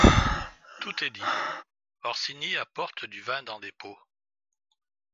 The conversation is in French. Tout est dit. — Orsini apporte du vin dans des pots.